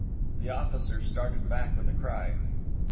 The officer started back with a cry.